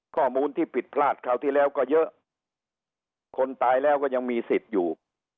ข้อมูลที่ผิดพลาดคราวที่แล้วก็เยอะคนตายแล้วก็ยังมีสิทธิ์อยู่